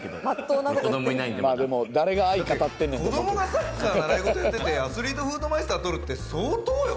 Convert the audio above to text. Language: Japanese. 子どもがサッカー習い事やってて、アスリートフードマイスター取るって相当よ。